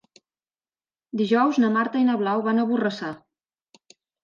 Dijous na Marta i na Blau van a Borrassà.